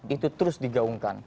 itu terus digaungkan